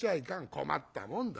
困ったもんだな。